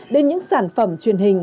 đến những sản phẩm truyền hình